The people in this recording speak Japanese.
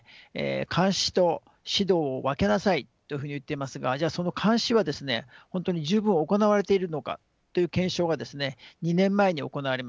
監視と指導を分けなさいというふうにいっていますがじゃあその監視は本当に十分行われているのかという検証が２年前に行われました。